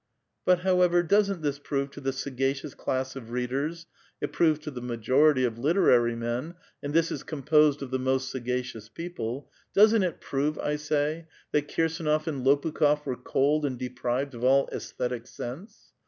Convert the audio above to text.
But, however, doesn't this prove to the sagacious class of readers (it proves to the majority of literary' men, and this is composed of the most sagacious people), doesn't it prove, 1 sav, that Kirsdnof and Lopukh6f were cold and deprived of all ffisthetic sense?